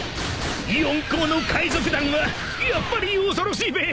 ［四皇の海賊団はやっぱり恐ろしいべ］